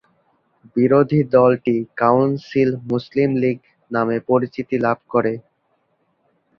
বিরোধী দলটি council Muslim League নামে পরিচিতি লাভ করে।